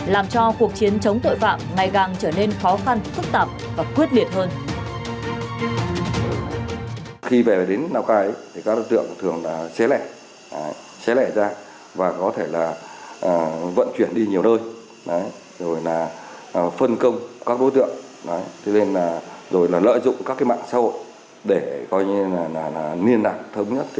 làm cho cuộc chiến chống tội phạm ngày càng trở nên khó khăn phức tạp và quyết liệt hơn